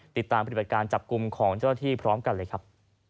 ติดตามปฏิบัติการจับกลุ่มของเจ้าที่พร้อมกันเลยครับ